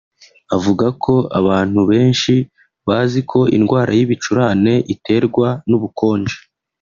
avuga ko abantu benshi bazi ko indwara y’ibicurane iterwa n’ubukonje